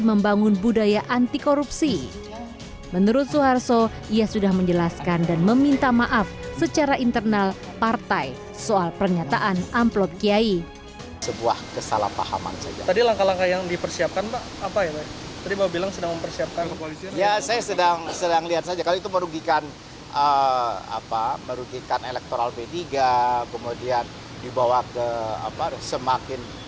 membangun budaya anti korupsi dan kemampuan untuk membangun budaya anti korupsi